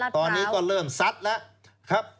ตอนนี้ก็เริ่มซัดแล้วครับ